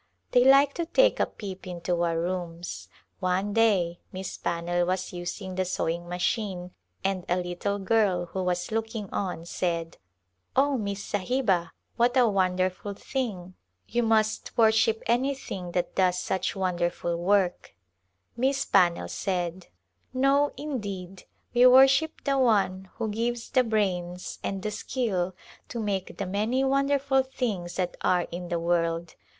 They like to take a peep into our rooms. One day Miss Pannell was using the sewing machine and a lit tle girl who was looking on said, " Oh, Miss Sahiba, what a wonderful thing ! You must worship anything [.81] A Glwipse of India that does such wonderful work." Miss Pannell said, " No indeed, we worship the One who gives the brains and the skill to make the many wonderful things that are in the world.